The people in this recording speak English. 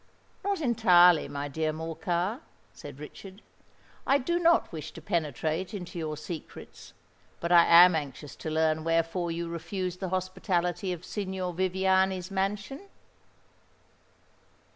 "Not entirely, my dear Morcar," said Richard. "I do not wish to penetrate into your secrets; but I am anxious to learn wherefore you refused the hospitality of Signor Viviani's mansion?"